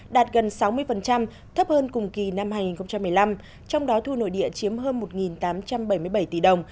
đạt gần sáu mươi thấp hơn cùng kỳ năm hai nghìn một mươi năm trong đó thu nội địa chiếm hơn một tám trăm bảy mươi bảy tỷ đồng